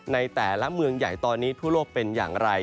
ในแต่ละเมืองใหญ่ตอนนี้ทั่วโลกเป็นอย่างไร